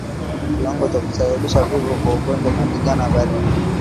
Kiwango cha kusababisha vifo kwa ugonjwa wa ndigana baridi